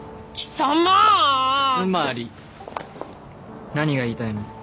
つまり何が言いたいの？